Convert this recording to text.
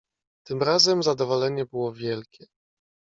"Tym razem zadowolenie było wielkie."